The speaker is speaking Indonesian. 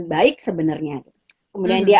baik sebenarnya kemudian dia